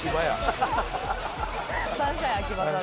サンシャイン秋葉さんで。